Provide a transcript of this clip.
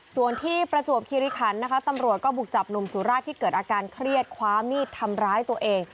ส่วนที่ประจวบคิริคันนะคะตำรวจก็บุกจับหนุ่มสุราชที่เกิดอาการเครียดคว้ามีดทำร้ายตัวเอง